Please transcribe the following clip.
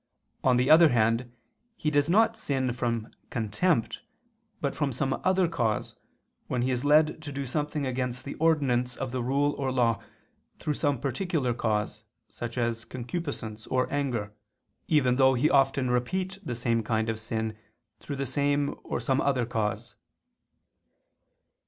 On the other hand, he does not sin from contempt, but from some other cause, when he is led to do something against the ordinance of the law or rule through some particular cause such as concupiscence or anger, even though he often repeat the same kind of sin through the same or some other cause.